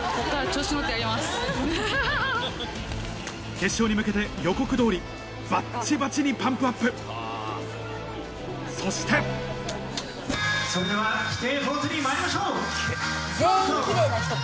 決勝に向けて予告通りバッチバチにパンプアップそしてそれでは規定ポーズにまいりましょう！スタート！